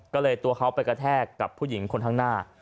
ก็เลยตัวเขาไปกระแทกกับผู้หญิงคนข้างหน้า